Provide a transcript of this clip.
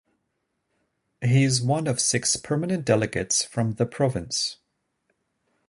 He is one of six permanent delegates from the province.